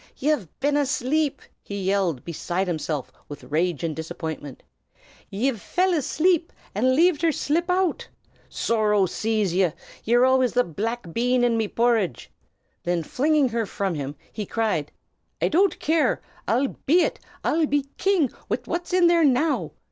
"Ye've been ashlape!" he yelled, beside himself with rage and disappointment. "Ye've fell ashlape, an' laved her shlip out! Sorrow seize ye, ye're always the black bean in me porridge!" Then flinging her from him, he cried, "I don't care! I'll be it! I'll be king wid what's in there now!"